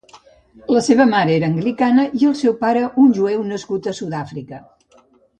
La seva mare era anglicana i el seu pare un jueu, nascut a Sud-àfrica.